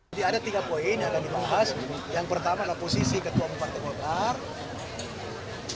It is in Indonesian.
jadi ada tiga poin yang akan dibahas yang pertama adalah posisi ketua partai golkar